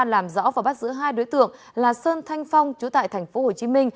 làm rõ và bắt giữ hai đối tượng là sơn thanh phong chú tại tp hcm